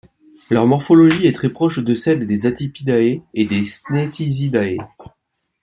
Leur morphologie est très proche de celles des Atypidae et des Ctenizidae.